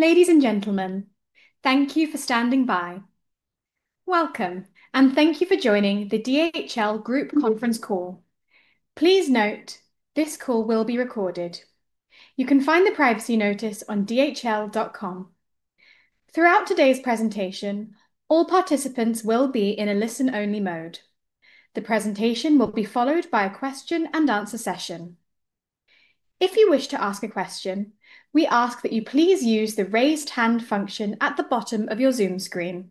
Ladies and gentlemen, thank you for standing by. Welcome and thank you for joining the DHL Group conference call. Please note this call will be recorded. You can find the privacy notice on dhl.com. Throughout today's presentation, all participants will be in a listen-only mode. The presentation will be followed by a question and answer session. If you wish to ask a question, we ask that you please use the raised hand function at the bottom of your Zoom screen.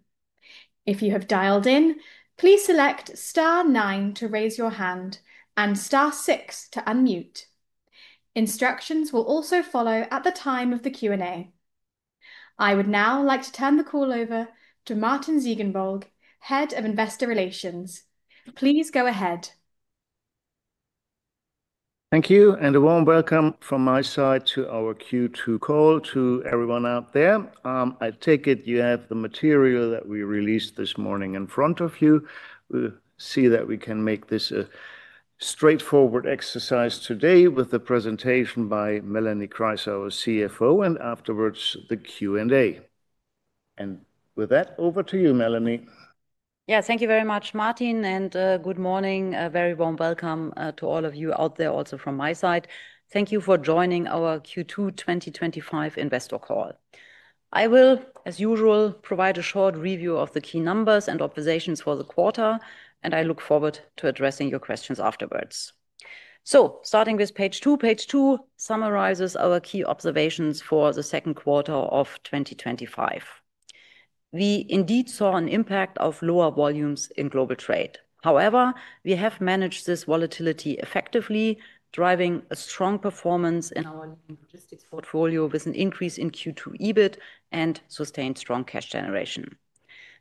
If you have dialed in, please select star nine to raise your hand and six to unmute. Instructions will also follow at the time of the Q&A. I would now like to turn the call over to Martin Ziegenbalg, Head of Investor Relations. Please go ahead. Thank you. A warm welcome from my side to our Q2 call. To everyone out there, I take it you have the material that we released this morning in front of you. We see that we can make this a straightforward exercise today with the presentation by Melanie Kreis, our CFO, and afterwards the Q and A. With that, over to you, Melanie. Yeah, thank you very much, Martin, and good morning. A very warm welcome to all of you out there, also from my side. Thank you for joining our Q2 2025 investor call. I will, as usual, provide a short review of the key numbers and observations for the quarter, and I look forward to addressing your questions afterwards. Starting with page two. Page two summarizes our key observations for the second quarter of 2025. We indeed saw an impact of lower volumes in global trade. However, we have managed this volatility effectively, driving a strong performance in our logistics portfolio with an increase in Q2 EBIT and sustained strong cash generation.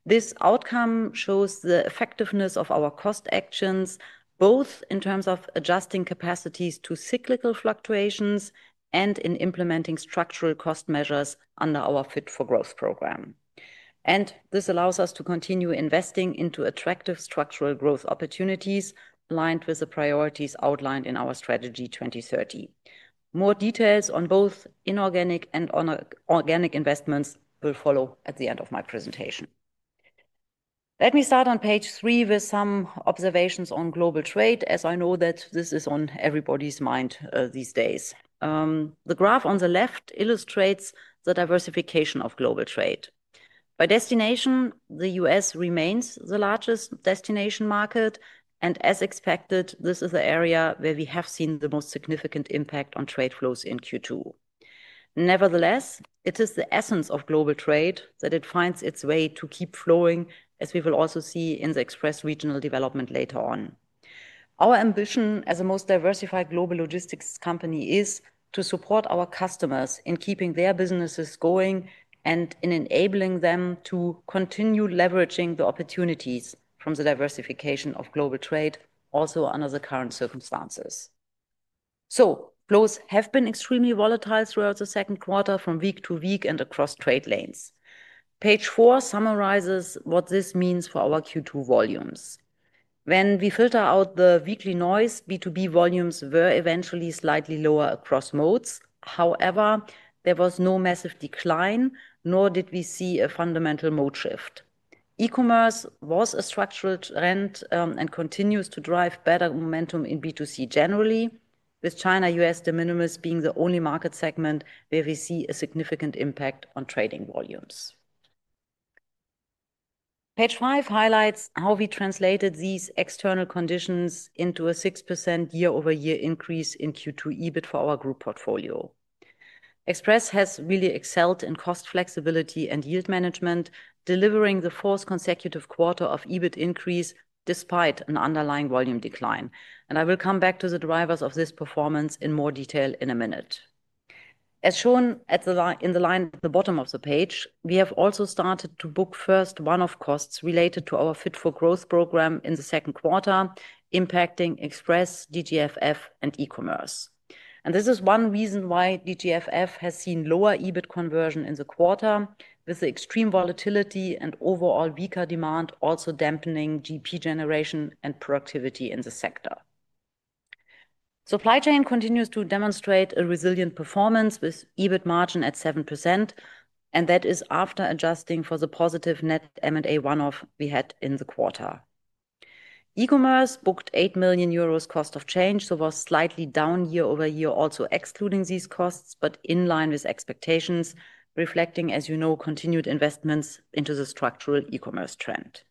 This outcome shows the effectiveness of our cost actions both in terms of adjusting capacities to cyclical fluctuations and in implementing structural cost measures under our Fit for Growth program. This allows us to continue investing into attractive structural growth opportunities aligned with the priorities outlined in our Strategy 2030. More details on both inorganic and organic investments will follow at the end of my presentation. Let me start on page three with some observations on global trade, as I know that this is on everybody's mind these days. The graph on the left illustrates the diversification of global trade by destination. The U.S. remains the largest destination market and, as expected, this is the area where we have seen the most significant impact on trade flows in Q2. Nevertheless, it is the essence of global trade that it finds its way to keep flowing, as we will also see in the Express regional development later on. Our ambition as a most diversified global logistics company is to support our customers in keeping their businesses going and in enabling them to continue leveraging the opportunities from the diversification of global trade also under the current circumstances. Flows have been extremely volatile throughout the second quarter from week to week and across trade lanes. Page four summarizes what this means for our Q2 volumes when we filter out the weekly noise. B2B volumes were eventually slightly lower across modes. However, there was no massive decline nor did we see a fundamental mode shift. E-commerce was a structural trend and continues to drive better momentum in B2C generally, with China-U.S. de minimis being the only market segment where we see a significant impact on trading volumes. Page five highlights how we translated these external conditions into a 6% year-over-year increase in Q2 EBIT for our group. Portfolio Express has really excelled in cost flexibility and yield management, delivering the fourth consecutive quarter of EBIT increase despite an underlying volume decline. I will come back to the drivers of this performance in more detail in a minute. As shown in the line at the bottom of the page, we have also started to book first one-off costs related to our Fit for Growth program in the second quarter, impacting Express, DGFF, and eCommerce. This is one reason why DGFF has seen lower EBIT conversion in the quarter, with the extreme volatility and overall weaker demand also dampening GP generation and productivity in the sector. Supply Chain continues to demonstrate a resilient performance with EBIT margin at 7%, and that is after adjusting for the positive net M&A one-off we had in the quarter. E-Commerce booked 8 million euros cost of change, so was slightly down year-over-year, also excluding these costs but in line with expectations, reflecting, as you know, continued investments into the structural eCommerce trend.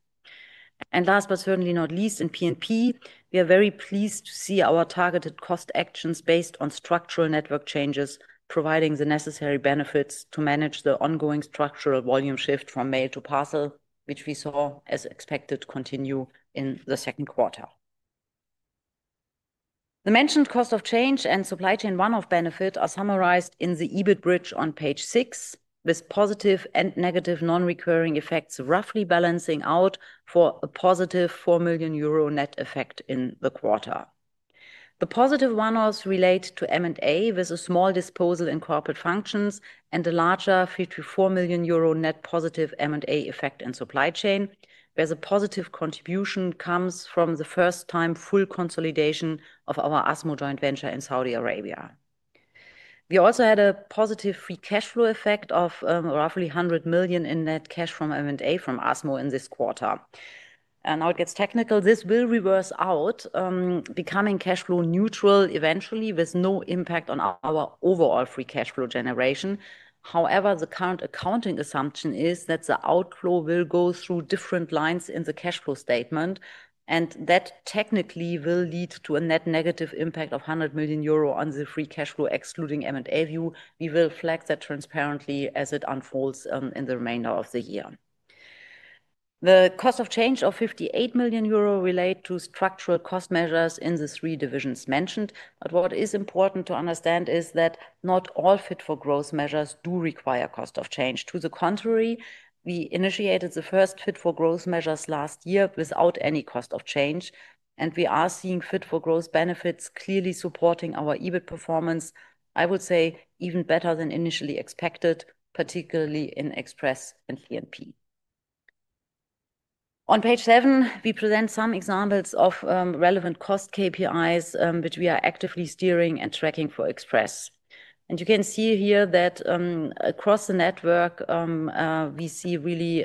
Last but certainly not least, in P&P Germany, we are very pleased to see our targeted cost actions based on structural network changes providing the necessary benefits to manage the ongoing structural volume shift from mail to parcel, which we saw as expected continue in the second quarter. The mentioned cost of change and supply chain one-off benefit are summarized in the EBIT Bridge on page six, with positive and negative non-recurring effects roughly balancing out for a positive 4 million euro net effect in the quarter. The positive one-offs relate to M&A, with a small disposal in corporate functions and a larger 3.4 million euro net positive M&A effect in Supply Chain, where the positive contribution comes from the first-time full consolidation of our ASMO joint venture in Saudi Arabia. We also had a positive free cash flow effect of roughly €100 million in net cash from M&A from ASMO in this quarter. Now it gets technical. This will reverse out, becoming cash flow neutral eventually with no impact on our overall free cash flow generation. However, the current accounting assumption is that the outflow will go through different lines in the cash flow statement, and that technically will lead to a net negative impact of 100 million euro on the free cash flow excluding M&A view. We will flag that transparently as it unfolds in the remainder of the year. The cost of change of 58 million euro relate to structural cost measures in the three divisions mentioned, but what is important to understand is that not all Fit for Growth measures do require cost of change. To the contrary, we initiated the first Fit for Growth measures last year without any cost of change and we are seeing Fit for Growth benefits clearly supporting our EBIT performance, I would say even better than initially expected, particularly in Express and P&P Germany. On page seven we present some examples of relevant cost KPIs which we are actively steering and tracking for Express, and you can see here that across the network we see really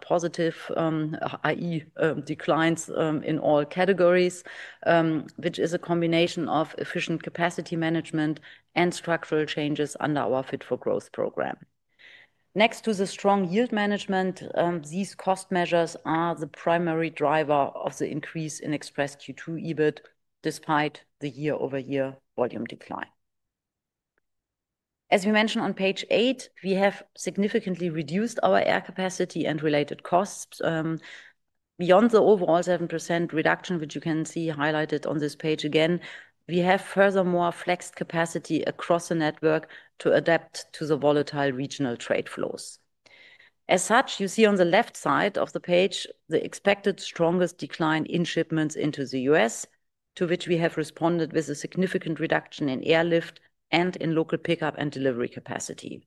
positive declines in all categories, which is a combination of efficient capacity management and structural changes under our Fit for Growth program. Next to the strong yield management, these cost measures are the primary driver of the increase in Express Q2 EBIT despite the year-over-year volume decline. As we mentioned on page eight, we have significantly reduced our air capacity and related costs beyond the overall 7% reduction which you can see highlighted on this page. Again, we have furthermore flexed capacity across the network to adapt to the volatile regional trade flows. As such, you see on the left side of the page the expected strongest decline in shipments into the U.S. to which we have responded with a significant reduction in airlift and in local pickup and delivery capacity.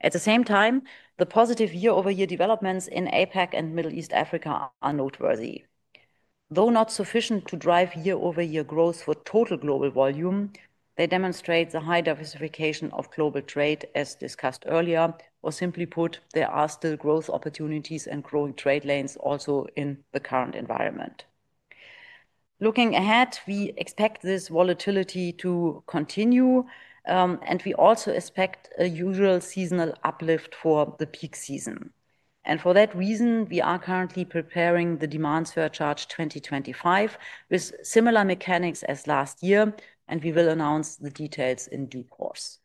At the same time, the positive year-over-year developments in APEC and Middle East Africa are noteworthy. Though not sufficient to drive year-over-year growth for total global volume, they demonstrate the high diversification of global trade as discussed earlier. Simply put, there are still growth opportunities and growing trade lanes also in the current environment. Looking ahead, we expect this volatility to continue and we also expect a usual seasonal uplift for the peak season and for that reason we are currently preparing the demand surcharge 2025 with similar mechanics as last year and we will announce the details in due course.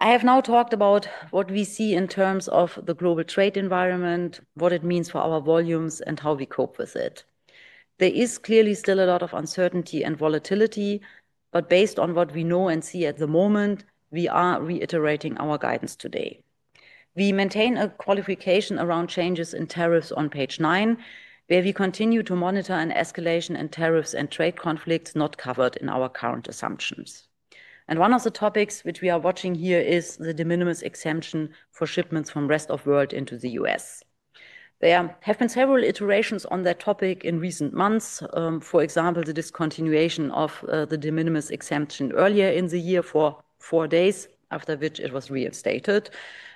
I have now talked about what we see in terms of the global trade environment, what it means for our volumes and how we cope with it. There is clearly still a lot of uncertainty and volatility, but based on what we know and see at the moment, we are reiterating our guidance today. We maintain a qualification around changes in tariffs on page nine, where we continue to monitor an escalation in tariffs and trade conflicts not covered in our current assumptions. One of the topics which we are watching here is the de minimis exemption for shipments from rest of world into the U.S. There have been several iterations on that topic in recent months. For example, the discontinuation of the de minimis exemption earlier in the year for four days, after which it was reinstated.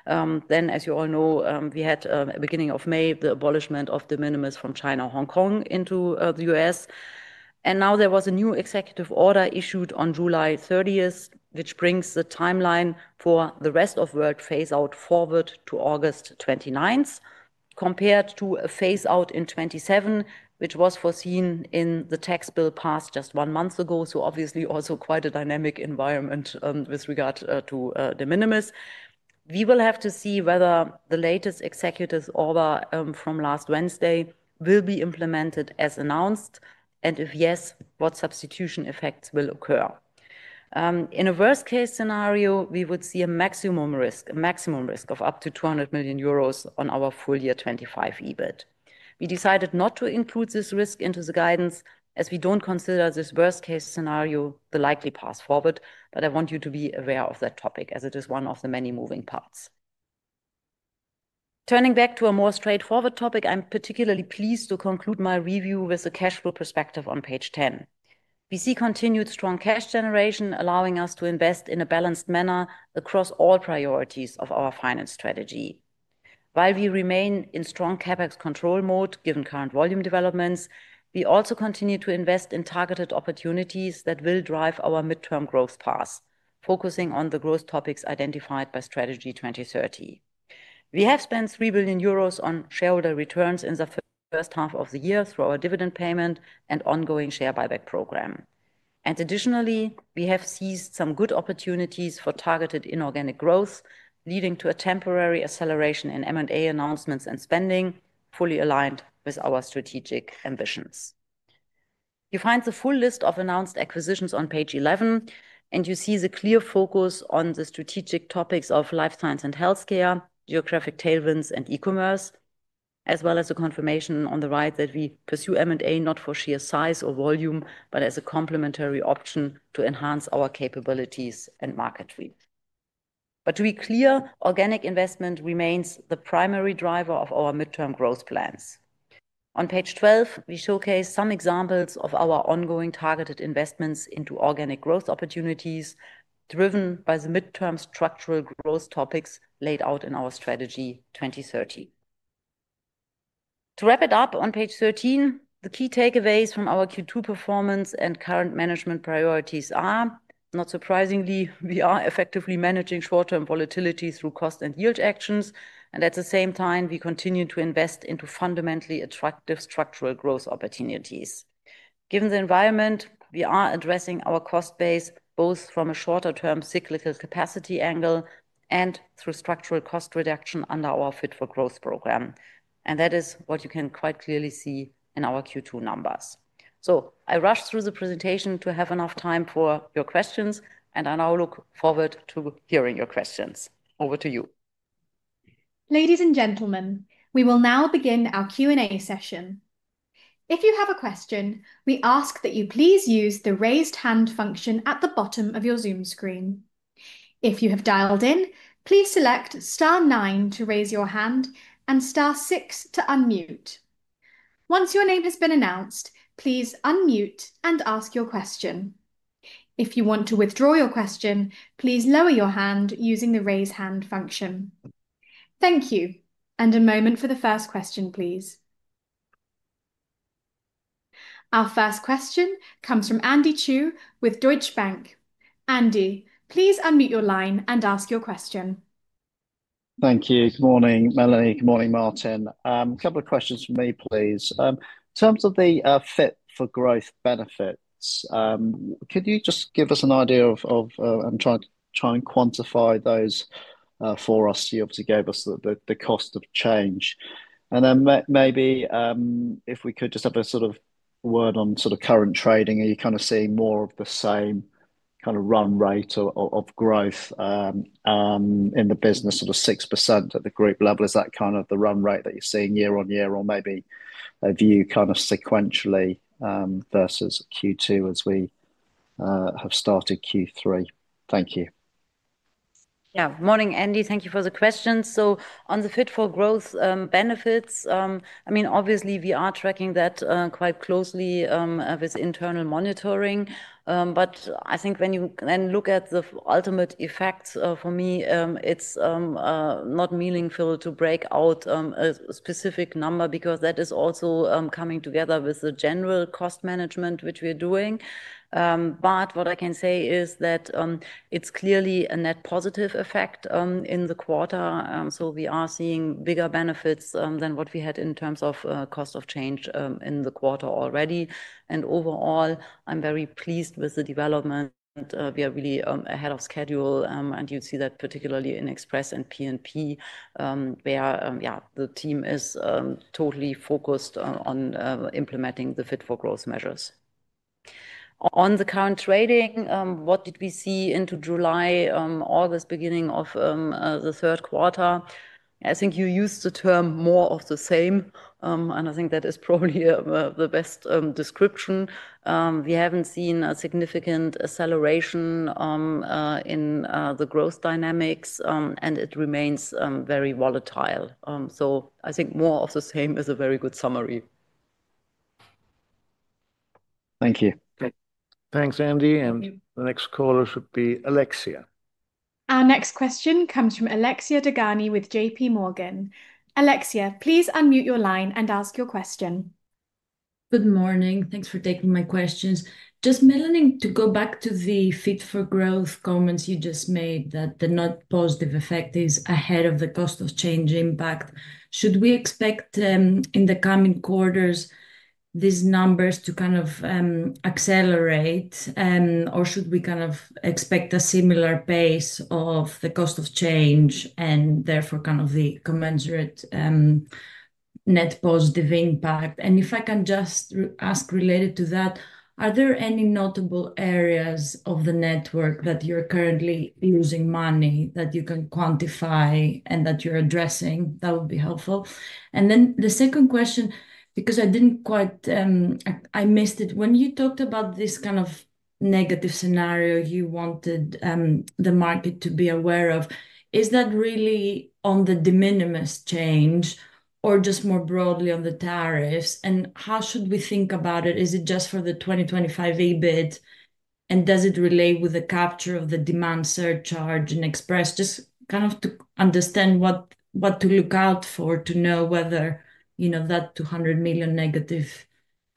As you all know, we had at the beginning of May the abolishment of de minimis from China, Hong Kong into the U.S. There was a new executive order issued on July 30, which brings the timeline for the rest of world phaseout forward to August 29th, compared to a phaseout in 2027 which was foreseen in the tax bill passed just one month ago. Obviously, also quite a dynamic environment with regard to de minimis. We will have to see whether the latest executive order from last Wednesday will be implemented as announced and, if yes, what substitution effects will occur. In a worst case scenario, we would see a maximum risk, a maximum risk of up to 200 million euros on our full year 2025 EBIT. We decided not to include this risk into the guidance as we don't consider this worst case scenario the likely path forward. I want you to be aware of that topic as it is one of the many moving parts. Turning back to a more straightforward topic, I'm particularly pleased to conclude my review with the cash flow perspective. On page 10, we see continued strong cash generation, allowing us to invest in a balanced manner across all priorities of our finance strategy. While we remain in strong CapEx control mode given current volume developments, we also continue to invest in targeted opportunities that will drive our mid-term growth path. Focusing on the growth topics identified by Strategy 2030, we have spent 3 billion euros on shareholder returns in the first half of the year through our dividend payment and ongoing share buyback program. Additionally, we have seized some good opportunities for targeted inorganic growth, leading to a temporary acceleration in M&A announcements and spending, fully aligned with our strategic ambitions. You find the full list of announced acquisitions on page 11, and you see the clear focus on the strategic topics of life science and healthcare, geographic tailwinds, and e-commerce, as well as the confirmation on the right that we pursue M&A not for sheer size or volume, but as a complementary option to enhance our capabilities and market trees. To be clear, organic investment remains the primary driver of our mid-term growth plans. On page 12, we showcase some examples of our ongoing targeted investments into organic growth opportunities driven by the mid-term structural growth topics laid out in our Strategy 2030. To wrap it up, on page 13, the key takeaways from our Q2 performance and current management priorities. Not surprisingly, we are effectively managing short-term volatility through cost and yield actions, and at the same time, we continue to invest into fundamentally attractive structural growth opportunities. Given the environment, we are addressing our cost base both from a shorter-term cyclical capacity angle and through structural cost reduction under our Fit for Growth program. That is what you can quite clearly see in our Q2 numbers. I rush through the presentation to have enough time for your questions, and I now look forward to hearing your questions. Over to you. Ladies and gentlemen .We will now begin our Q&A session. If you have a question, we ask that you please use the raised hand function at the bottom of your Zoom screen. If you have dialed in, please select star nine to raise your hand and six to unmute. Once your name has been announced, please unmute and ask your question. If you want to withdraw your question, please lower your hand using the raise hand function. Thank you. A moment for the first question, please. Our first question comes from Andy Chu with Deutsche Bank. Andy, please unmute your line and ask your question. Thank you. Good morning, Melanie. Good morning, Martin. A couple of questions for me please. In terms of the Fit for Growth benefits, could you just give us an idea of and try to quantify those for us? You obviously gave us the cost of change, and then maybe if we could just have a word on current trading. Are you seeing more of the same kind of run rate of growth in the business, sort of 6% at the group level? Is that the run rate that you're seeing year on year, or maybe a view sequentially versus Q2 as we have started Q3? Thank you. Yeah, morning Andy. Thank you for the question. On the Fit for Growth benefits, we are tracking that quite closely with internal monitoring. I think when you look at the ultimate effects, for me it's not meaningful to break out a specific number because that is also coming together with the general cost management, which we are doing. What I can say is that it's clearly a net positive effect in the quarter. We are seeing bigger benefits than what we had in terms of cost of change in the quarter already. Overall, I'm very pleased with the development. We are really ahead of schedule. You'd see that particularly in Express and P&P Germany, where the team is totally focused on implementing the Fit for Growth measures. On the current trading, what did we see into July, August, beginning of the third quarter? I think you used the term more of the same and I think that is probably the best description. We haven't seen a significant acceleration in the growth dynamics and it remains very volatile. I think more of the same is a very good summary. Thank you. Thanks, Andy. The next caller should be Alexia. Our next question comes from Alexia Dogani with JPMorgan. Alexia, please unmute your line and ask your question. Good morning. Thanks for taking my questions. Melanie, to go back to the Fit for Growth comments you just made that the net positive effect is ahead of the cost of change impact. Should we expect in the coming quarters these numbers to kind of accelerate or should we expect a similar pace of the cost of change and therefore the commensurate net positive impact? If I can just ask related to that, are there any notable areas of the network that you're currently using money that you can quantify and that you're addressing? That would be helpful. The second question, because I didn't quite, I missed it when you talked about this kind of negative scenario you wanted the market to be aware of. Is that really on the de minimis change or just more broadly on the tariffs? How should we think about it? Is it just for the 2025 EBIT and does it relate with the capture of the demand surcharge in Express, just to understand what to look out for to know whether that $200 million negative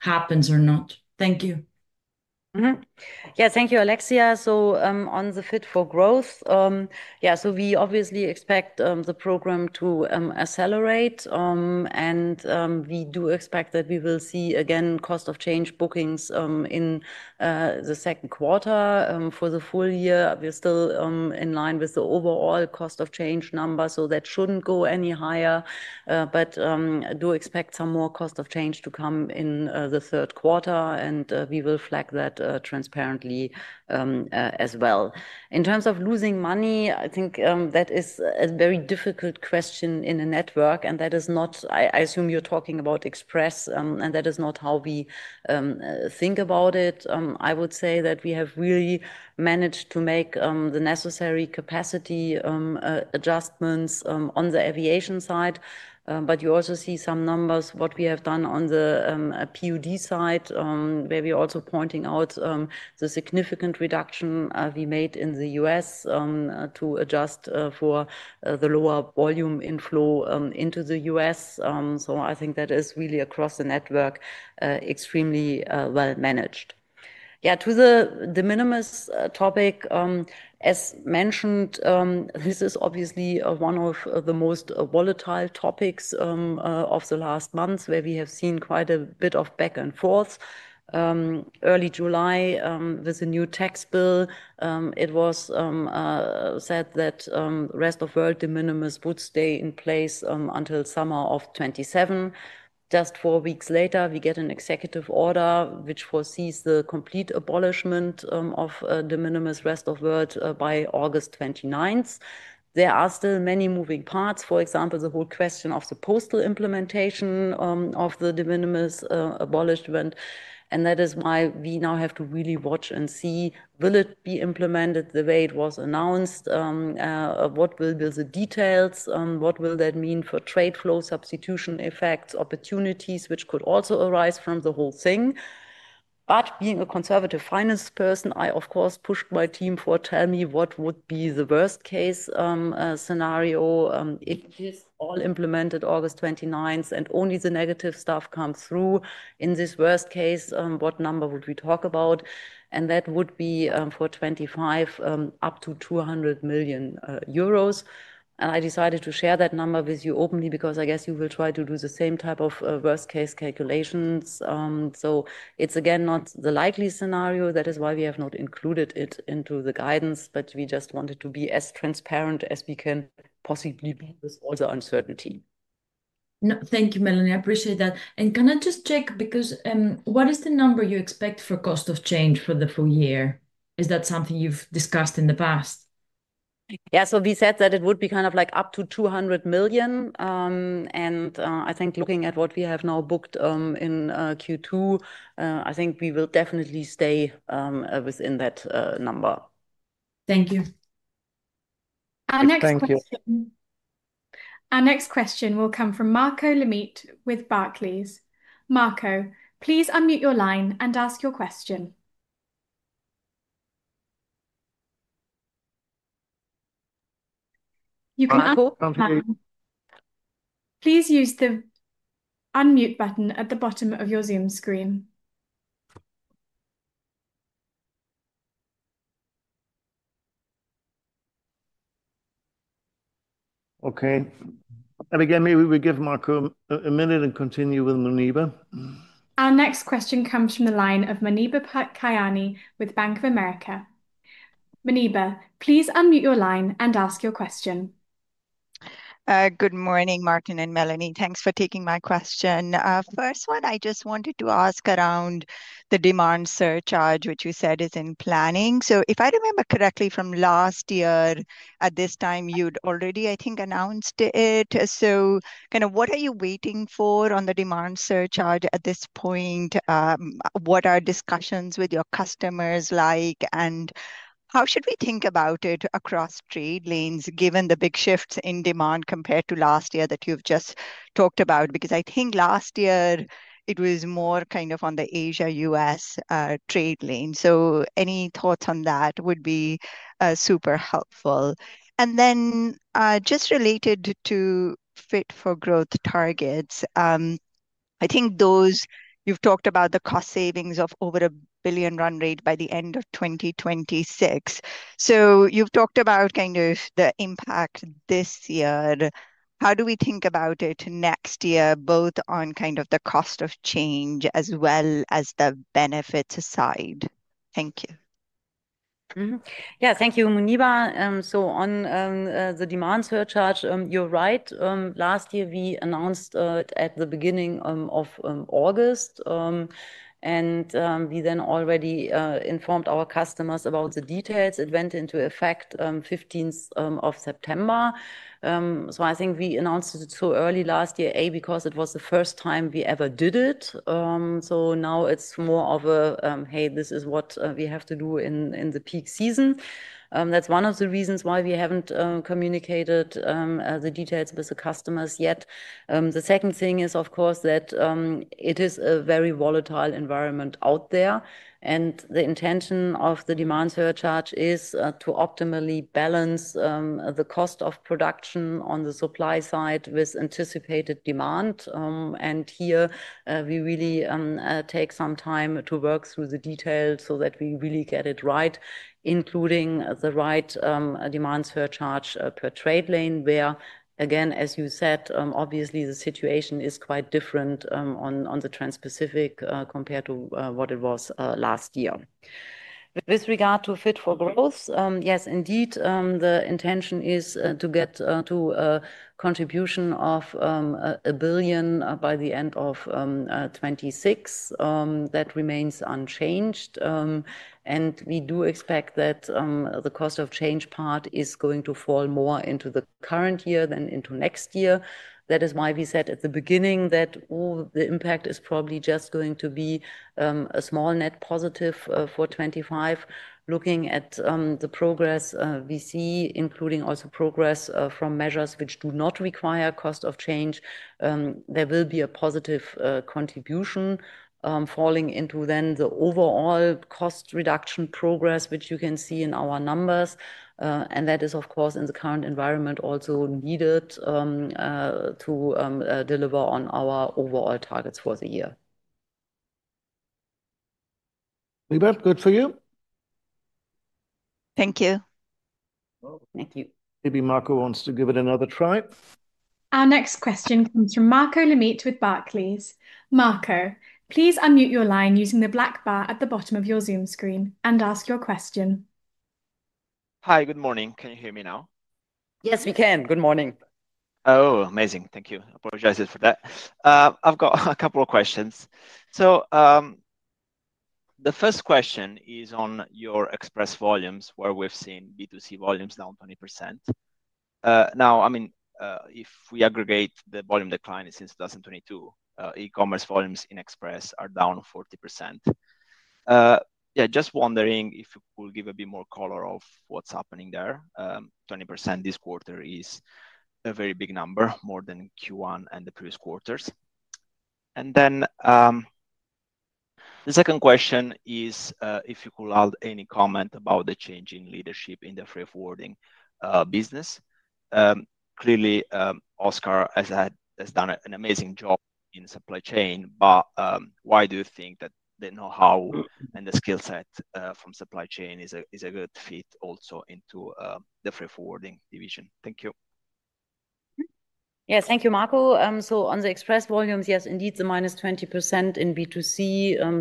happens or not. Thank you. Yeah, thank you, Alexia. On the Fit for Growth, we obviously expect the program to accelerate and we do expect that we will see again cost of change bookings in the second quarter. For the full year, we're still in line with the overall cost of change number, so that shouldn't go any higher. We do expect some more cost of change to come in the third quarter and we will flag that transparently as well. In terms of losing money, I think that is a very difficult question in the network and that is not, I assume you're talking about Express, and that is not how we think about it. I would say that we have really managed to make the necessary capacity adjustments on the aviation side. You also see some numbers on the PUD side where we are also pointing out the significant reduction we made in the U.S. to adjust for the lower volume inflow into the U.S. I think that is really across the network, extremely well managed. To the de minimis topic, as mentioned, this is obviously one of the most volatile topics of the last months where we have seen quite a bit of back and forth. Early July with a new tax bill, it was said that rest of world de minimis would stay in place until summer of 2027. Just four weeks later, we get an executive order which foresees the complete abolishment of de minimis rest of world by August 29th. There are still many moving parts. For example, the whole question of the postal implementation of the de minimis abolishment. That is why we now have to really watch and see: will it be implemented the way it was announced, what will be the details, what will that mean for trade flow substitution effects, opportunities which could also arise from the whole thing. Being a conservative finance person, I of course pushed my team for, tell me what would be the worst case scenario. It is all implemented August 29 and only the negative stuff comes through. In this worst case, what number would we talk about? That would be for 2025, up to 200 million euros. I decided to share that number with you openly because I guess you will try to do the same type of worst case calculations. It's again not the likely scenario. That is why we have not included it into the guidance. We just wanted to be as transparent as we can possibly be with all the uncertainty. Thank you, Melanie, I appreciate that. Can I just check because what is the number you expect for cost of change for the full year? Is that something you've discussed in the past? Yeah. We said that it would be kind of like up to $200 million. I think looking at what we have now booked in Q2, I think we will definitely stay within that number. Thank you. Our next question will come from Marco Limite with Barclays. Marco, please unmute your line and ask your question. You can please use the unmute button at the bottom of your Zoom screen. Maybe we give Marco a minute and continue with Muneeba. Our next question comes from the line of Muneeba Kayani with Bank of America. Muneeba, please unmute your line and ask your question. Good morning, Martin and Melanie. Thanks for taking my question. First one, I just wanted to ask around the demand surcharge which you said is in planning. If I remember correctly from last year at this time you'd already, I think, announced it, so what are you waiting for on the demand surcharge at this point? What are discussions with your customers like, and how should we think about it across trade lanes given the big shifts in demand compared to last year that you've just talked about? I think last year it was more on the Asia U.S. trade lane. Any thoughts on that would be super helpful. Just related to Fit for Growth targets, I think you've talked about the cost savings of over $1 billion run-rate by the end of 2026. You've talked about the impact this year. How do we think about it next year, both on the cost of change as well as the benefits aside? Thank you. Yeah, thank you Muneeba. On the demand surcharge, you're right. Last year we announced it at the beginning of August and we then already informed our customers about the details. It went into effect September 15. I think we announced it so early last year because it was the first time we ever did it. Now it's more of a hey, this is what we have to do in the peak season. That's one of the reasons why we haven't communicated the details with the customers yet. The second thing is, of course, that it is a very volatile environment out there and the intention of the demand surcharge is to optimally balance the cost of production on the supply side with anticipated demand. We really take some time to work through the details so that we really get it right, including the right demand surcharge per trade lane where, again, as you said, obviously the situation is quite different on the Trans Pacific compared to what it was last year. With regard to Fit for Growth, yes indeed. The intention is to get to a contribution of $1 billion by the end of 2026. That remains unchanged and we do expect that the cost of change part is going to fall more into the current year than into next year. That is why we said at the beginning that the impact is probably just going to be a small net positive for 2025. Looking at the progress we see, including also progress from measures which do not require cost of change, there will be a positive contribution falling into the overall cost reduction progress which you can see in our numbers and that is, of course, in the current environment also needed to deliver on our overall targets for the year. Muneeba, good for you. Thank you. Thank you. Maybe Marco Limite wants to give it another try. Our next question comes from Marco Limite with Barclays. Marco, please unmute your line using the black bar at the bottom of your Zoom screen and ask your question. Hi, good morning. Can you hear me now? Yes, we can. Good morning. Oh, amazing. Thank you. I apologize for that. I've got a couple of questions. The first question is on your Express volumes where we've seen B2C volumes down 20% now. If we aggregate the volume decline since 2022, eCommerce volumes in Express are down 40%. I'm just wondering if you could give a bit more color of what's happening there. 20% this quarter is a very big number, more than Q1 and the previous quarters. The second question is if you could add any comment about the change in leadership in the freight forwarding business. Clearly, Oscar has done an amazing job in Supply Chain, but why do you think that the know-how and the skill set from supply chain is a good fit also into the FF Freight division? Thank you. Yeah, thank you Marco. On the Express volumes, yes indeed. The -20% in B2C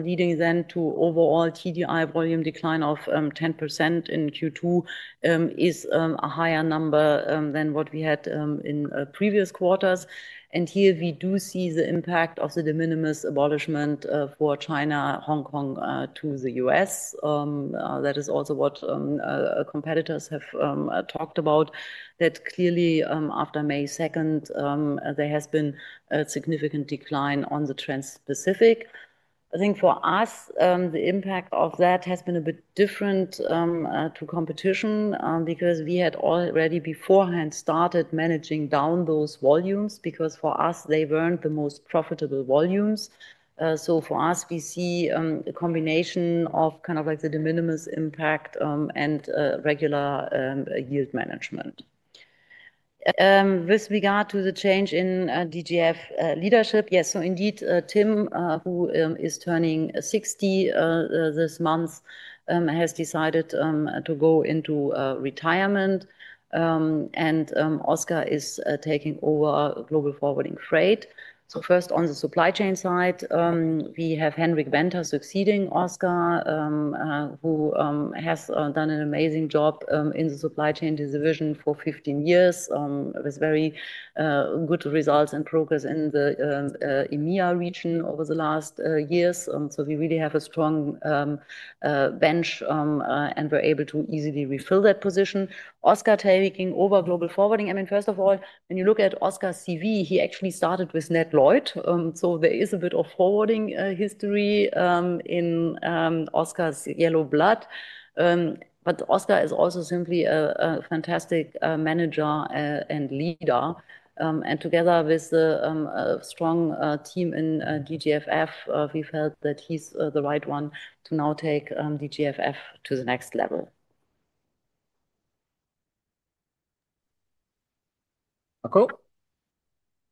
leading then to overall TDI volume decline of 10% in Q2 is a higher number than what we had in previous quarters. We do see the impact of the de minimis exemption abolishment for China, Hong Kong to the U.S. That is also what competitors have talked about, that clearly after May 2nd there has been a significant decline on the Trans Pacific. I think for us the impact of that has been a bit different to competition because we had already beforehand started managing down those volumes because for us they weren't the most profitable volumes. We see a combination of the de minimis exemption impact and regular yield management. With regard to the change in DGFF leadership, yes. Tim, who is turning 60 this month, has decided to go into retirement and Oscar is taking over Global Forwarding Freight. On the supply chain side, we have Henrik Venter succeeding Oscar, who has done an amazing job in the supply chain division for 15 years with very good results and progress in the EMEA region over the last years. We really have a strong bench and we're able to easily refill that position. Oscar taking over Global Forwarding, I mean, first of all, when you look at Oscar's CV, he actually started with Nedlloyd, so there is a bit of forwarding history in Oscar's yellow blood. Oscar is also simply a fantastic manager and leader, and together with the strong team in DGFF, we felt that he's the right one to now take DGFF to the next level.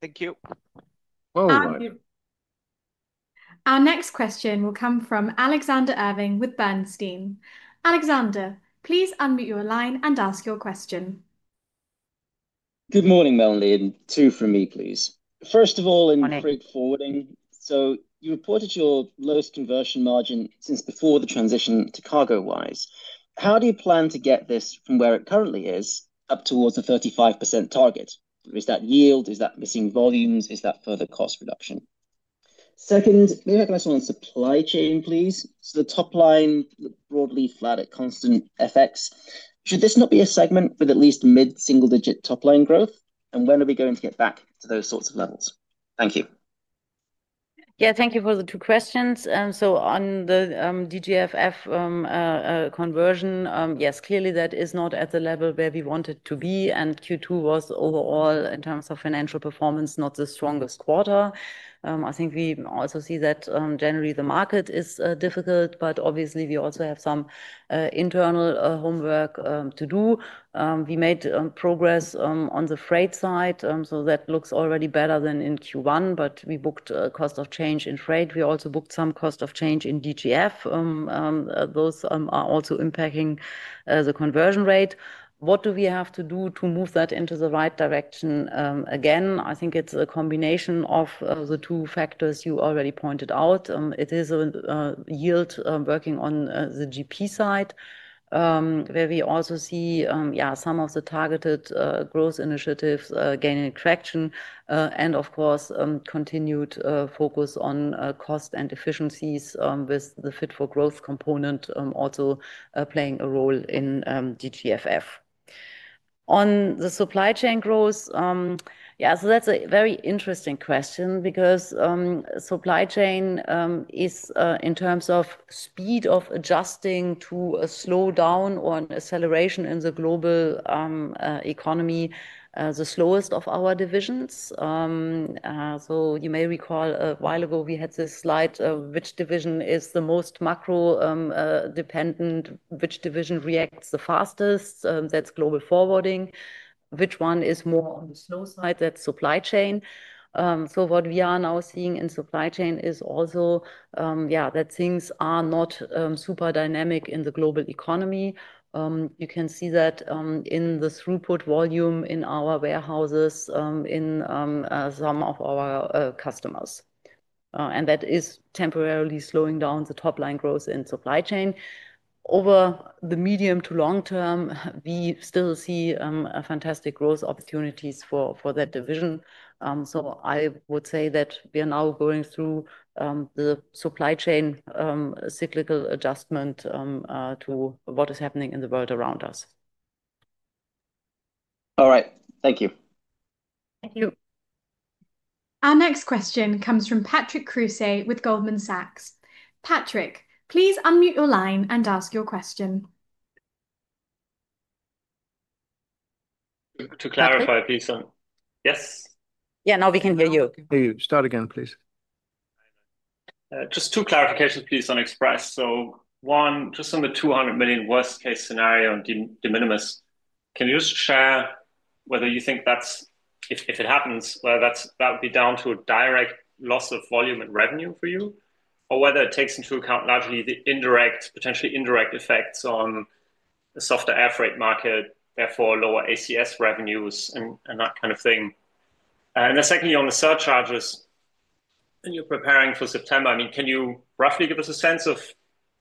Thank you. Our next question will come from Alexander Irving with Bernstein. Alexander, please unmute your line and ask your question. Good morning, Melanie. Two from me, please. First of all, in freight forwarding, you reported your lowest conversion margin since before the transition to CargoWise. How do you plan to get this from where it currently is up towards a 35% target? Is that yield, is that missing volumes? Is that further cost reduction? Second, maybe a question on supply chain please. The top line broadly flat at constant FX. Should this not be a segment with at least mid single digit top line growth when are we going to get back to those sorts of levels? Thank you. Yeah, thank you for the two questions. On the Global Forwarding Freight conversion, yes, clearly that is not at the level where we want it to be. Q2 was overall, in terms of financial performance, not the strongest quarter. I think we also see that generally the market is difficult. Obviously, we also have some internal homework to do. We made progress on the freight side, so that looks already better than in Q1. We booked cost of change in freight. We also booked some cost of change in Global Forwarding Freight. Those are also impacting the conversion rate. What do we have to do to move that into the right direction? Again, I think it's a combination of the two factors you already pointed out. It is yield working on the gross profit side where we also see some of the targeted growth initiatives gaining traction, and of course continued focus on cost and efficiencies with the Fit for Growth component also playing a role in DGFF. On the supply chain growth, that's a very interesting question because supply chain is, in terms of speed of adjusting to a slowdown or an acceleration in the global economy, the slowest of our divisions. You may recall a while ago we had this slide: which division is the most macro dependent, which division reacts the fastest? That's Global Forwarding. Which one is more on the slow side? That's supply chain. What we are now seeing in supply chain is also that things are not super dynamic in the global economy. You can see that in the throughput volume in our warehouses, in some of our customers, and that is temporarily slowing down the top line growth in supply chain. Over the medium to long term, we still see fantastic growth opportunities for that division. I would say that we are now going through the supply chain cyclical adjustment to what is happening in the world around us. All right, thank you. Our next question comes from Patrick Creuset with Goldman Sachs. Patrick, please unmute your line and ask your question. To clarify, please. Yes. Yeah. Now we can hear you. Start again, please. Just two clarifications please on Express. One, just on the $200 million worst case scenario de minimis, can you just share whether you think that's, if it happens, whether that would be down to a direct loss of volume and revenue for you or whether it takes into account largely the indirect, potentially indirect effects on the softer air freight market, therefore lower ACS revenues and that kind of thing. The second, on the surcharges and you're preparing for September, can you roughly give us a sense of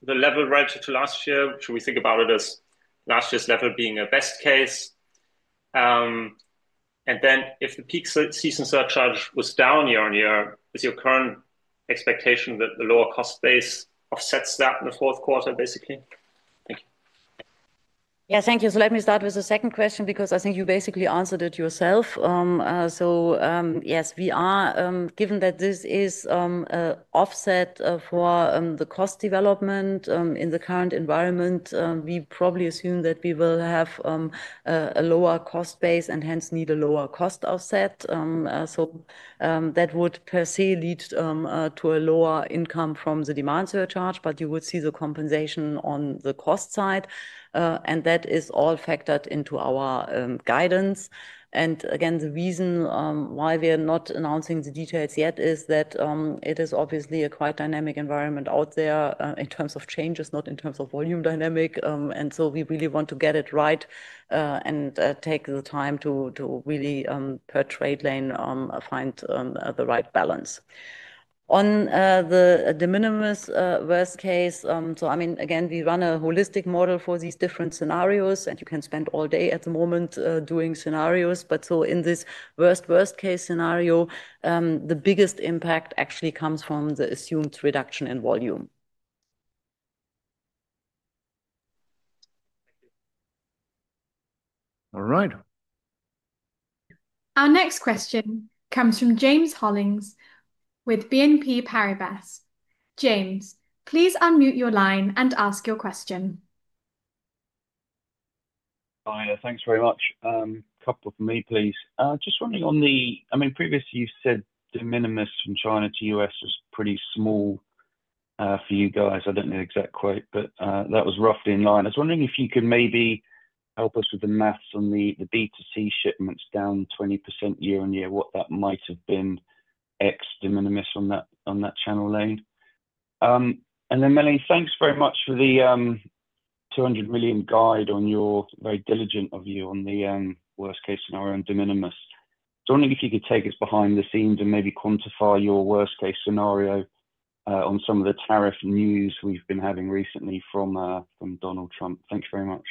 the level relative to last year? Should we think about it as last year's level being a best case? If the peak season surcharge was down year on year, is your current expectation that the lower cost base offsets that in the fourth quarter? Basically. Thank you. Let me start with the second question because I think you basically answered it yourself. Yes, we are given that this is offset for the cost development in the current environment. We probably assume that we will have a lower cost base and hence need a lower cost offset. That would per se lead to a lower income from the demand surcharge. You would see the compensation on the cost side, and that is all factored into our guidance. The reason why we are not announcing the details yet is that it is obviously a quite dynamic environment out there in terms of changes, not in terms of volume dynamic. We really want to get it right and take the time to really per trade lane find the right balance on the de minimis worst case. We run a holistic model for these different scenarios and you can spend all day at the moment doing scenarios. In this worst, worst case scenario, the biggest impact actually comes from the assumed reduction in volume. All right. Our next question comes from James Hollins with BNP Paribas. James, please unmute your line and ask your question. Thanks very much. Couple for me please. Just wondering on the, I mean previously you said de minimis from China to U.S. was pretty small for you guys. I don't know exact quote, but that was roughly in line. I was wondering if you could maybe help us with the maths on the B2C shipments down 20% year on year, what that might have been ex de minimis on that channel lane and then Melanie, thanks very much for the $200 million guide on your, very diligent of you on the worst case scenario in de minimis. Wondering if you could take us behind the scenes and maybe quantify your worst case scenario on some of the tariff news we've been having recently from Donald Trump. Thanks very much.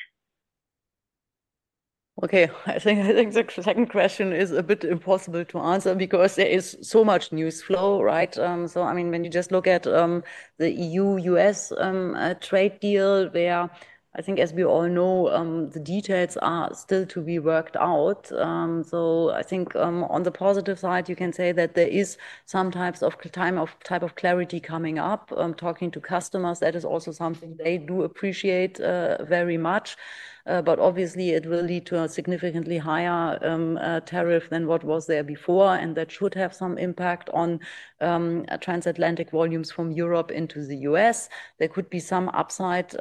Okay, I think the second question is a bit impossible to answer because there is so much news flow, right. I mean when you just look at the EU US trade deal where I think as we all know the details are still to be worked out. I think on the positive side you can say that there is some type of clarity coming up. Talking to customers, that is also something they do appreciate very much. Obviously, it will lead to a significantly higher tariff than what was there before, and that should have some impact on transatlantic volumes from Europe into the U.S. There could be some upside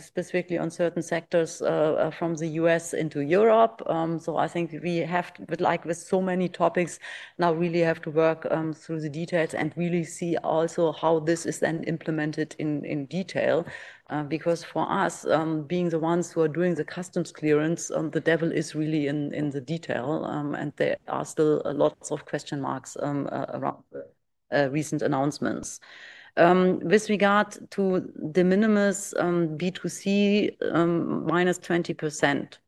specifically on certain sectors from the U.S. into Europe. I think we have, like with so many topics now, really to work through the details and really see also how this is then implemented in detail because for us, being the ones who are doing the customs clearance, the devil is really in the detail. There are still lots of question marks around the recent announcements with regard to de minimis B2C -20%.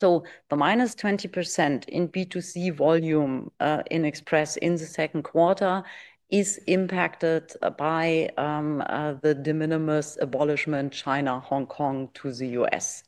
The -20% in B2C volume in Express in the second quarter is impacted by the de minimis abolishment China, Hong Kong to the U.S.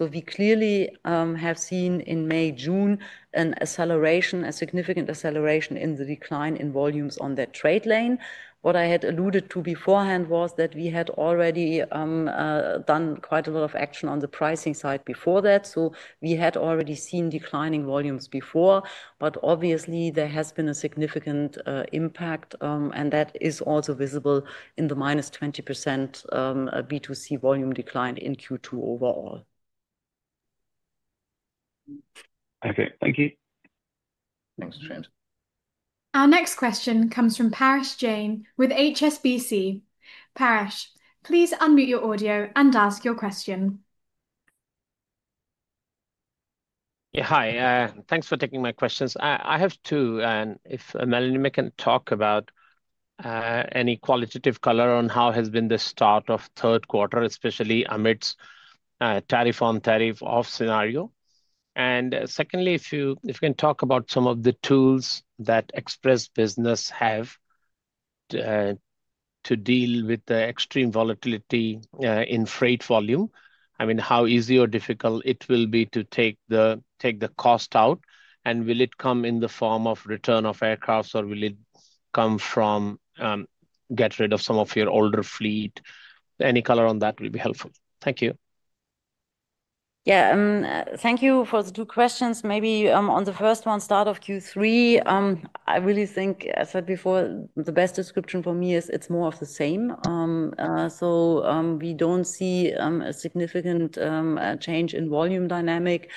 We clearly have seen in May, June an acceleration, a significant acceleration in the decline in volumes on that trade lane. What I had alluded to beforehand was that we had already done quite a lot of action on the pricing side before that. We had already seen declining volumes before. Obviously, there has been a significant impact and that is also visible in the -20% B2C volume decline in Q2 overall. Okay, thank you. Thanks Patrick. Our next question comes from Paresh Jain with HSBC. Paresh, please unmute your audio and ask your question. Hi, thanks for taking my questions. I have two. If Melanie can talk about any qualitative color on how has been the start of third quarter, especially amidst tariff on tariff off scenario. Secondly, if you can talk about some of the tools that Express business have to deal with the extreme volatility in freight volume, I mean how easy or difficult it will be to take the cost out, and will it come in the form of return of aircrafts, or will it come from getting rid of some of your older fleet. Any color on that will be helpful. Thank you. Thank you for the two questions. Maybe on the first one, start of Q3, I really think I said before the best description for me is it's more of the same. We don't see a significant change in volume dynamic.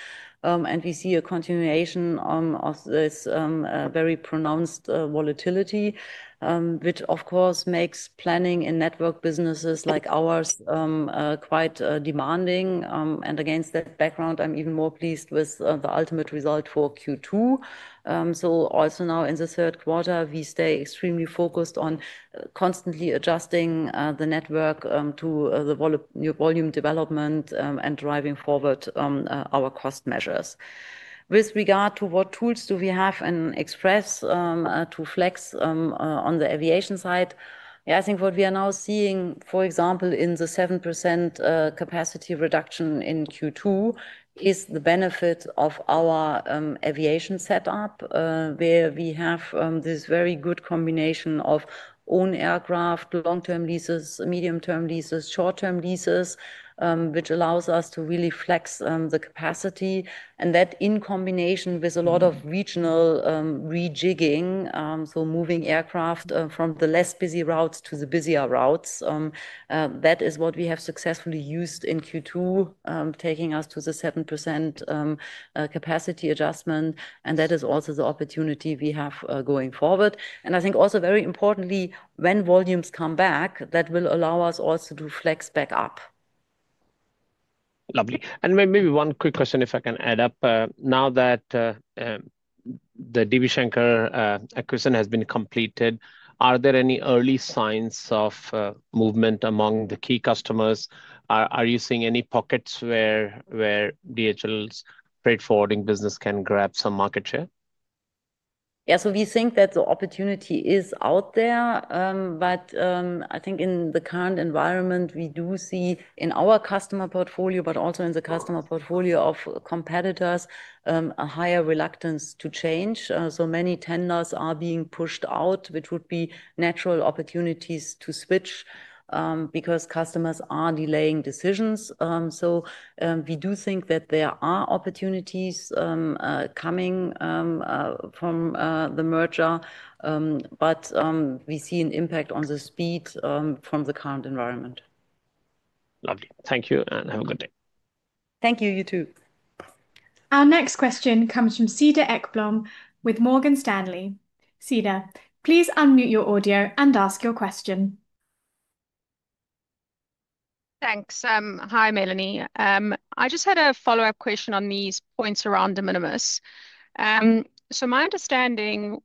We see a continuation of this very pronounced volatility, which of course makes planning in network businesses like ours quite demanding. Against that background, I'm even more pleased with the ultimate result for Q2. Also now in the third quarter, we stay extremely focused on constantly adjusting the network to the volume development and driving forward our cost measures. With regard to what tools do we have in Express to flex on the aviation side, I think what we are now seeing, for example, in the 7% capacity reduction in Q2 is the benefit of our aviation setup where we have this very good combination of own aircraft, long-term leases, medium-term leases, short-term leases, which allows us to really flex the capacity. That in combination with a lot of rejigging, moving aircraft from the less busy routes to the busier routes, that is what we have successfully used in Q2, taking us to the 7% capacity adjustment. That is also the opportunity we have going forward. I think also very importantly, when volumes come back, that will allow us also to flex back up. Lovely. Maybe one quick question if I can add up, now that the Division acquisition has been completed, are there any early signs of movement among the key customers? Are you seeing any pockets where DHL's Freight business can grab some market share? Yeah, we think that the opportunity is out there, but I think in the current environment we do see in our customer portfolio, but also in the customer portfolio of competitors, a higher reluctance to change. Many tenders are being pushed out, which would be natural opportunities to switch because customers are delaying decisions. We do think that there are opportunities coming from the merger, but we see an impact on the speed from the current environment. Lovely, thank you and have a great day. Thank you, you too. Our next question comes from Cedar Ekblom with Morgan Stanley. Cedar, please unmute your audio and ask your question. Thanks. Hi Melanie, I just had a follow-up question on these points around de minimis. My understanding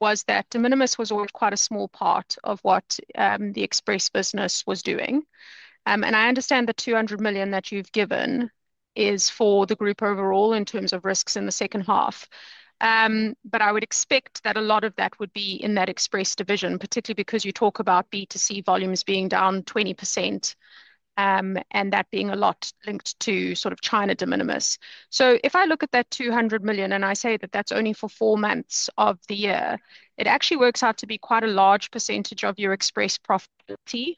was that de minimis was quite a small part of what the Express business was doing. I understand the $200 million that you've given is for the group overall in terms of risks in the second half, but I would expect that a lot of that would be in that Express division, particularly because you talk about B2C volumes being down 20% and that being a lot linked to China de minimis. If I look at that $200 million and I say that that's only for four months of the year, it actually works out to be quite a large percentage of your Express profitability.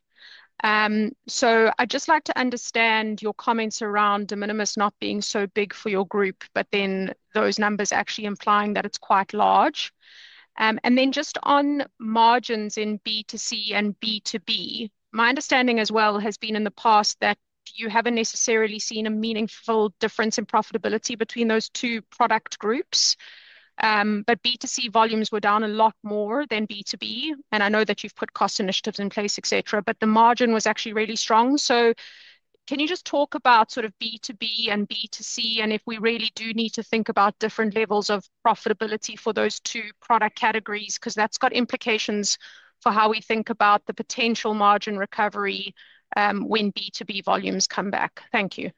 I'd just like to understand your comments around de minimis not being so big for your group, but then those numbers actually implying that it's quite large. Just on margins in B2C and B2B, my understanding as well has been in the past that you haven't necessarily seen a meaningful difference in profitability between those two product groups. B2C volumes were down a lot more than B2B and I know that you've put cost initiatives in place, etc., but the margin was actually really strong. Can you just talk about B2B and B2C and if we really do need to think about different levels of profitability for those two product categories, because that's got implications for how we think about the potential margin recovery when B2B volumes come back. Thank you.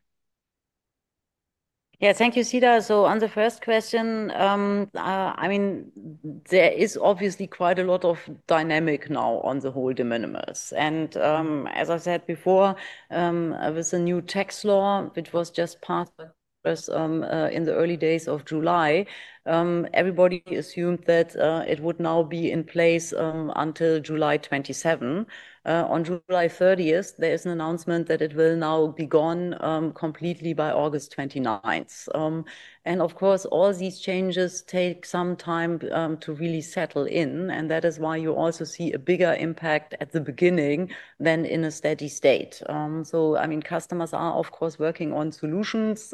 Thank you, Cedar. On the first question, there is obviously quite a lot of dynamic now on the whole de minimis. As I said before, with the new tax law which was just passed by Congress in the early days of July, everybody assumed that it would now be in place until July 27. On July 30, there is an announcement that it will now be gone completely by August 29. Of course, all these changes take some time to really settle in, and that is why you also see a bigger impact at the beginning than in a steady state. Customers are, of course, working on solutions.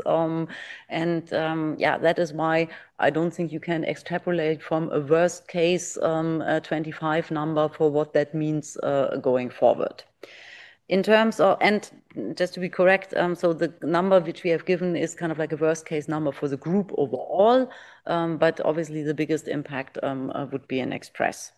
That is why I don't think you can extrapolate from a worst case 25 number for what that means going forward in terms of, and just to be correct, the number which we have given is kind of like a worst case number for the group overall. Obviously, the biggest impact would be Express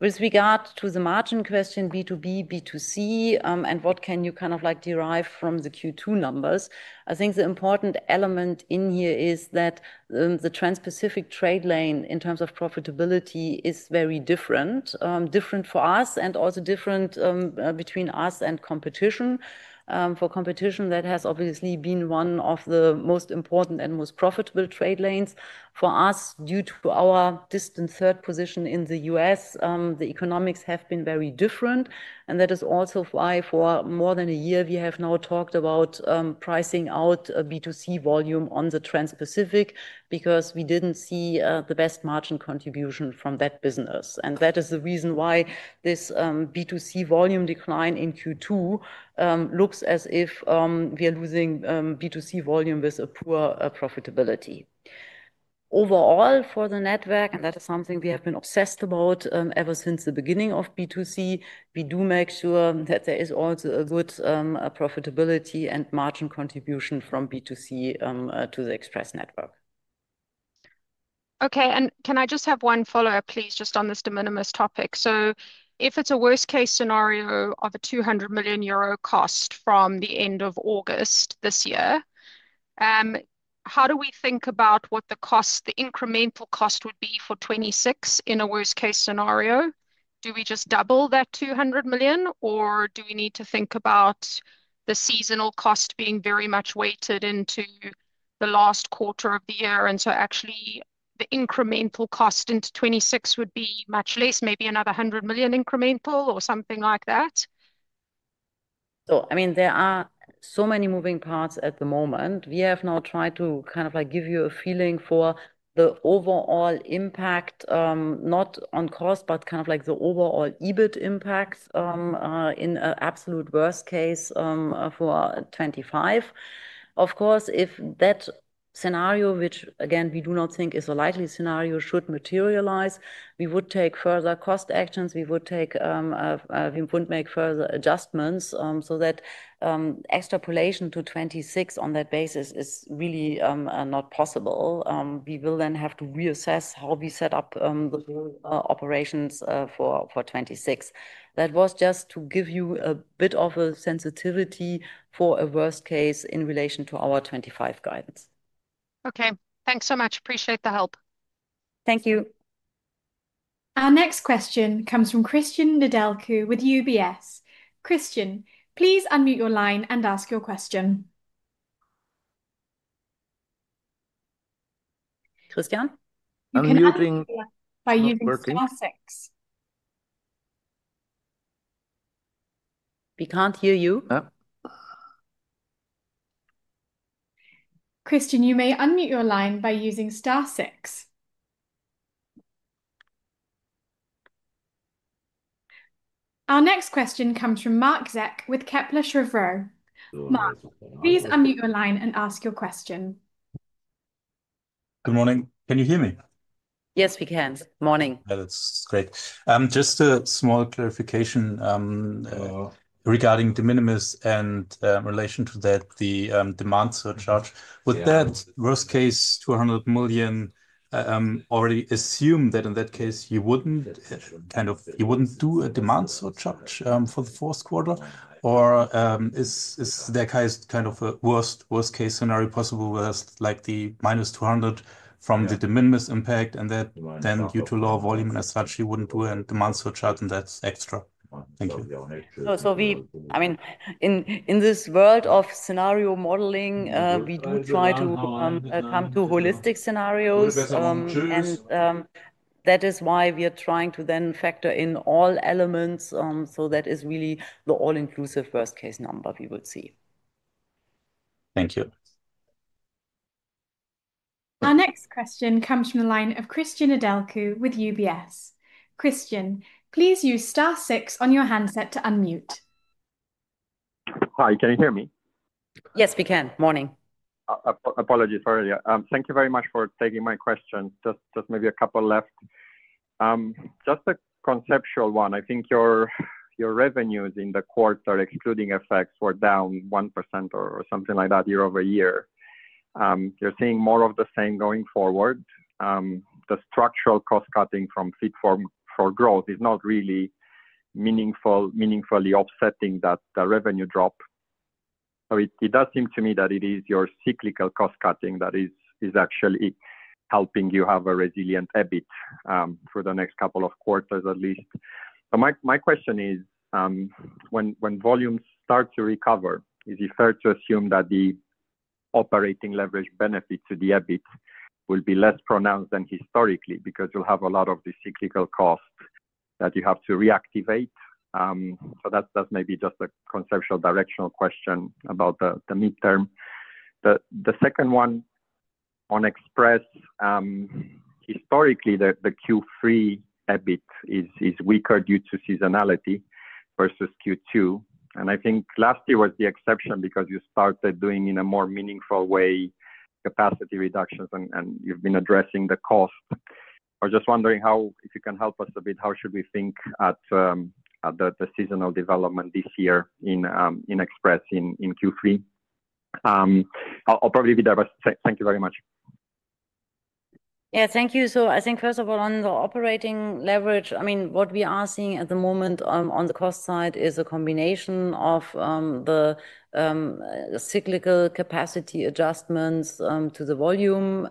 with regard to the margin question, B2B, B2C. What can you kind of like derive from the Q2 numbers? I think the important element in here is that the Trans Pacific trade lane in terms of profitability is very different. Different for us and also different between us and competition, for competition. That has obviously been one of the most important and most profitable trade lanes for us. Due to our distant third position in the U.S., the economics have been very different. That is also why for more than a year we have now talked about pricing out B2C volume on the Trans Pacific because we didn't get the best margin contribution from that business. That is the reason why this B2C volume decline in Q2 looks as if we are losing B2C volume with a poor profitability overall for the network. That is something we have been obsessed about ever since the beginning of B2C. We do make sure that there is also a good profitability and margin contribution from B2C to the Express network. Okay, can I just have one follow-up please just on this de minimis topic. If it's a worst case scenario of a 200 million euro cost from the end of August this year, how do we think about what the cost, the incremental cost would be for 2026 in a worst case scenario? Do we just double that 200 million, or do we need to think about the seasonal cost being very much weighted into the last quarter of the year, and so actually the incremental cost into 2026 would be much less, maybe anther 100 million incremental or something like that? There are so many moving parts at the moment. We have now tried to give you a feeling for the overall impact, not on cost, but the overall EBIT impact in absolute worst case for 2025. Of course, if that scenario, which again we do not think is a likely scenario, should materialize, we would take further cost actions. We would make further adjustments. That extrapolation to 2026 on that basis is really not possible. We will then have to reassess how we set up the operations for 2026. That was just to give you a bit of a sensitivity for a worst case in relation to our 2025 guidance. Okay, thanks so much. Appreciate the help. Thank you. Our next question comes from Cristian Nedelcu with UBS. Cristian, please unmute your line and ask your question. Cristian. We can't hear you. Cristian, you may unmute your line by using star six. Our next question comes from Marc Zeck with Kepler Cheuvreux. Marc, please unmute your line and ask your question. Good morning, can you hear me? Yes, we can. Morning. That is great. Just a small clarification regarding de minimis and relation to that, the demand surcharge. Would that worst case $200 million already assume that in that case you wouldn't do a demand surcharge for the fourth quarter, or is that kind of a worst case scenario, possible worst, like the -$200 million from the de minimis impact, and that then due to lower volume as such you wouldn't do a demand surcharge? And that's actually. Thank you. In this world of scenario modeling, we do try to come to holistic scenarios. That is why we are trying to factor in all elements. That is really the all-inclusive first case number we would see. Thank you. Our next question comes from the line of Cristian Nedelcu with UBS. Cristian, please use Star 6 on your handset to unmute. Hi, can you hear me? Yes, we can. Morning. Thank you very much for taking my question. Just maybe a couple left, just a conceptual one. I think your revenues in the quarter, excluding effects, were down 1% or something like that, year-over-year. You're seeing more of the same going forward. The structural cost cutting from Fit for Growth is not really meaningfully offsetting that revenue drop. It does seem to me that it is your cyclical cost cutting that is actually helping you have a resilient EBIT for the next couple of quarters at least. My question is when volumes start to recover, is it fair to assume that the operating leverage benefit to the EBIT will be less pronounced than historically because you'll have a lot of the cyclical cost that you have to reactivate? That's maybe just a conceptual directional question about the midterm. The second one on Express. Historically, the Q3 EBIT is weaker due to seasonality versus Q2. I think last year was the exception because you started doing in a more meaningful way capacity reductions and you've been addressing the cost. I was just wondering if you can help us a bit, how should we think at the seasonal development this year in Express in Q3? I'll probably be there, but thank you very much. Thank you. I think first of all on the operating leverage, what we are seeing at the moment on the cost side is a combination of the cyclical capacity adjustments to the volume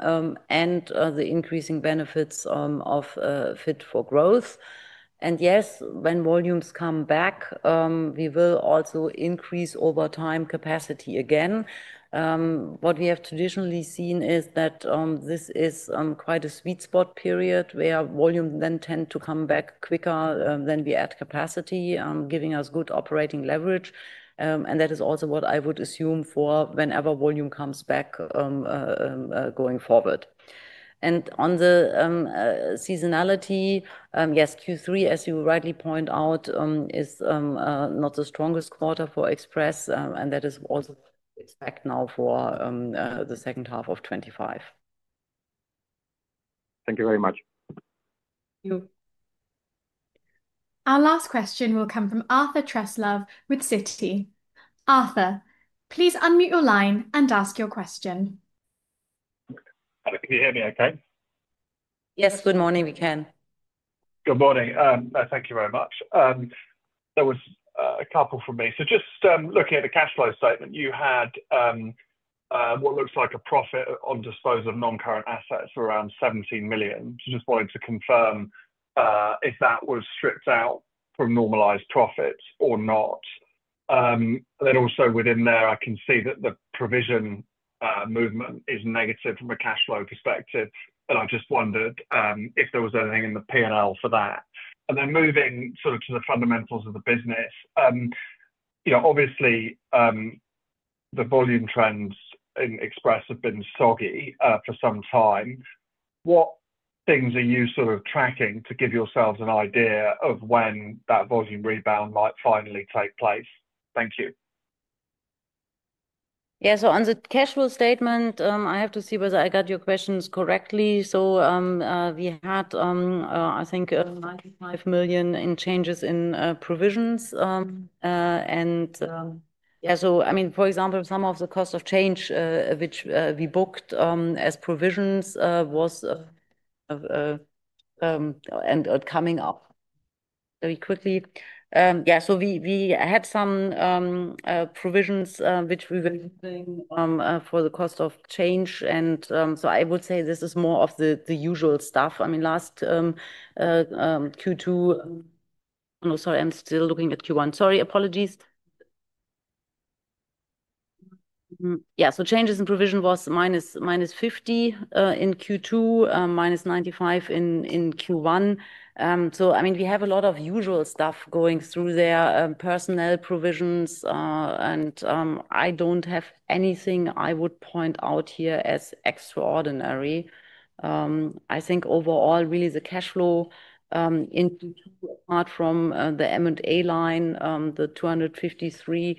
and the increasing benefits of Fit for Growth. Yes, when volumes come back, we will also increase over time capacity. What we have traditionally seen is that this is quite a sweet spot period, where volume then tend to come back quicker than we add capacity, giving us good operating leverage. That is also what I would assume for whenever volume comes back going forward. On the seasonality, yes, Q3, as you rightly point out, is not the strongest quarter for Express. That is also now for second half of 2025. Thank you very much. Our last question will come from Arthur Truslove with Citi. Arthur, please unmute your line and ask your question. Can you hear me okay? Yes, good morning. We can. Good morning. Thank you very much. There was a couple from me. Just looking at the cash flow statement, you had what looks like a profit on disposal of non-current assets, around 17 million. I just wanted to confirm if that was stripped out from normalized profits or not. Also within there, I can see that the provision movement is negative from a cash flow perspective, but I just wondered if there was anything in the P&L for that. Moving to the fundamentals of the business, obviously the volume trends in Express have been soggy for some time. What things are you tracking to give yourselves an idea of when that volume rebound might finally take place? Thank you. Yeah, on the cash flow statement, I have to see whether I got your questions correctly. We had, I think, $95 million in changes in provisions. For example, some of the cost of change which we booked as provisions was coming up very quickly. We had some provisions which we were using for the cost of change. I would say this is more of the usual stuff. Last Q2—no, sorry, I'm still looking at Q1. Sorry, apologies. Changes in provision was -$50 million in Q2, -$95 million in Q1. We have a lot of usual stuff going through there, personnel provisions, and I don't have anything I would point out here as extraordinary. I think overall, really the cash flow, apart from the M&A line, the $253 million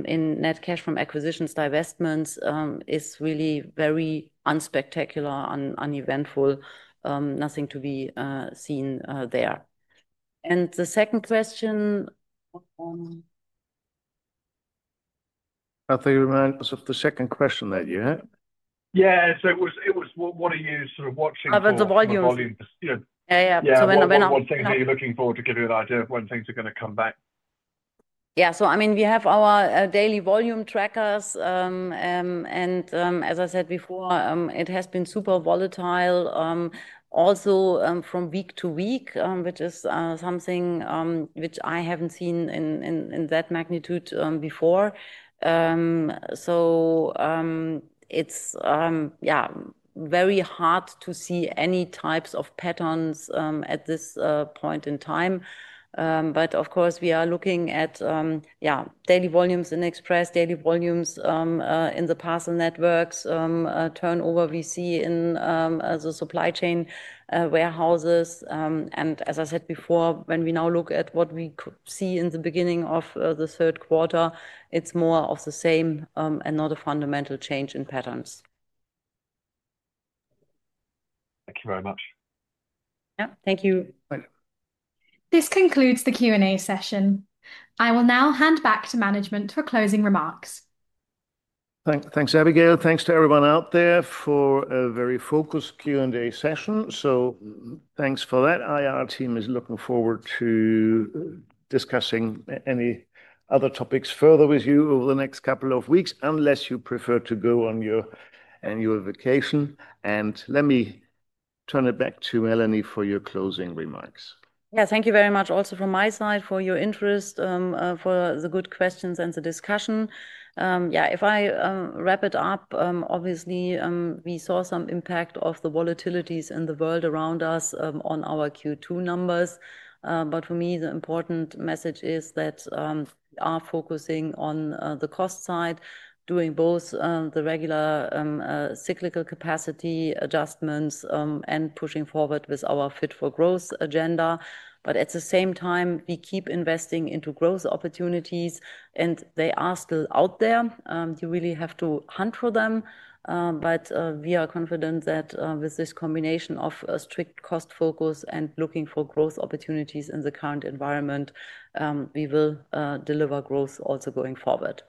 in net cash from acquisitions, divestments, is really very unspectacular and uneventful. Nothing to be seen there. The second question. I think it reminds us of the second question that you had. Yeah, what are you sort of watching? What things are you looking for to give you an idea of when things are going to come back. Yeah, I mean, we have our daily volume trackers, and as I said before, it has been super volatile also from week to week, which is something which I haven't seen in that magnitude before. It is very hard to see any types of patterns at this point in time. Of course, we are looking at daily volumes in Express, daily volumes in the parcel networks, and turnover we see in the supply chain warehouses. As I said before, when we now look at what we see in the beginning of the third quarter, it's more of the same and not a fundamental change in patterns. Thank you very much. Thank you. This concludes the Q&A session. I will now hand back to management for closing remarks. Thanks, Abigail. Thanks to everyone out there for a very focused Q and A session. Thanks for that. IR team is looking forward to discussing any other topics further with you over the next couple of weeks, unless you prefer to go on your annual vacation. Let me turn it back to Melanie for your closing remarks. Thank you very much also from my side for your interest, for the good questions, and the discussion. If I wrap it up, obviously we saw some impact of the volatilities in the world around us on our Q2 numbers. For me, the important message is that we are focusing on the cost side, doing both the regular cyclical capacity adjustments and pushing forward with our Fit for Growth agenda. At the same time, we keep investing into growth opportunities, and they are still out there. You really have to hunt for them. We are confident that with this combination of strict cost focus and looking for growth opportunities in the current environment, we will deliver growth also going forward.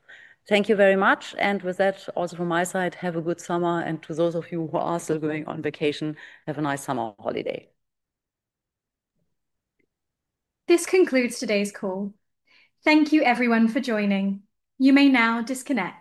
Thank you very much. With that, also from my side, have a good summer. To those of you who are still going on vacation, have a nice summer holiday. This concludes today's call. Thank you everyone for joining. You may now disconnect.